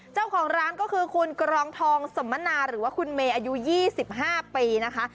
เจ้าของร้านก็คือคุณกรองทองสมนาหรือว่าคุณเมย์อายุ๒๕ปีนะคะ